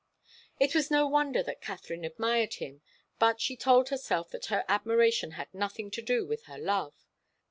It was no wonder that Katharine admired him. But she told herself that her admiration had nothing to do with her love.